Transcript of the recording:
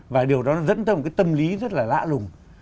và điều đó nó dẫn tới một cái tâm lý rất là lạ lùng